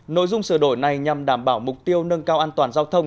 nội dung sửa đổi này nhằm đảm bảo mục tiêu nâng cao an toàn giao thông